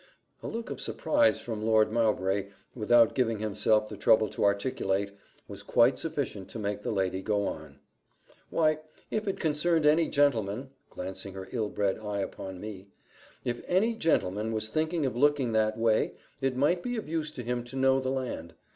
A look of surprise from Lord Mowbray, without giving himself the trouble to articulate, was quite sufficient to make the lady go on. "Why, if it concerned any gentleman" (glancing her ill bred eye upon me), "if any gentleman was thinking of looking that way, it might be of use to him to know the land.